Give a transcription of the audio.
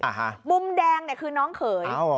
ฮะมุมแดงเนี่ยคือน้องเขยอ๋อ